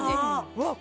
うわっ